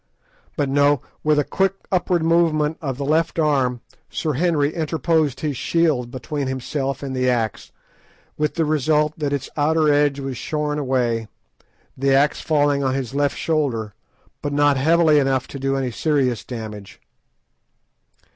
But no; with a quick upward movement of the left arm Sir Henry interposed his shield between himself and the axe, with the result that its outer edge was shorn away, the axe falling on his left shoulder, but not heavily enough to do any serious damage.